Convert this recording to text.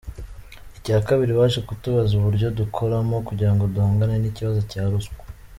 Icya kabiri baje kutubaza uburyo dukoramo kugira ngo duhangane n’ikibazo cya ruswa.